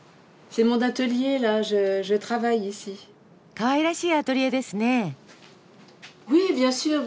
かわいらしいアトリエですねぇ。